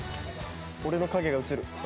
俺の影が映る。